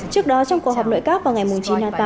trước đó trong cuộc họp nội các vào ngày chín tháng tám